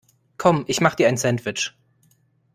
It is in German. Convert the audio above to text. Komm ich mach dir ein Sandwich.